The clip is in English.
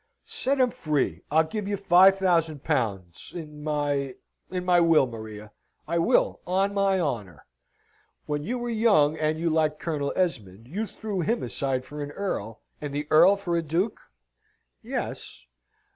"Set him free! I'll give you five thousand pounds in my in my will, Maria. I will, on my honour!" "When you were young, and you liked Colonel Esmond, you threw him aside for an earl, and the earl for a duke?" "Yes."